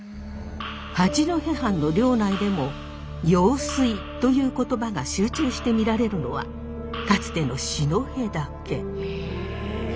八戸藩の領内でも「用水」という言葉が集中して見られるのはかつての四戸だけ。は。